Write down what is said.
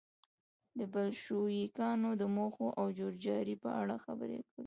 د بلشویکانو د موخو او جوړجاړي په اړه خبرې وکړي.